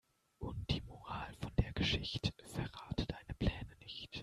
Und die Moral von der Geschicht': Verrate deine Pläne nicht.